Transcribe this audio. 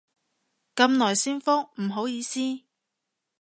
咁耐先覆，唔好意思